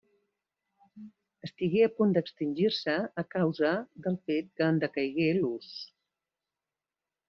Estigué a punt d'extingir-se a causa del fet que en decaigué l'ús.